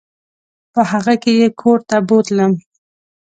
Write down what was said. په هغه کې یې کور ته بوتلم.